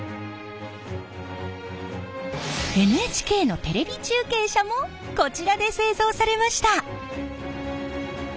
ＮＨＫのテレビ中継車もこちらで製造されました。